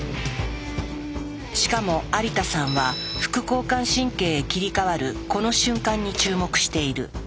しかも有田さんは副交感神経へ切り替わるこの瞬間に注目している。